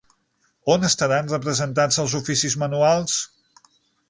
On estaran representats els oficis manuals?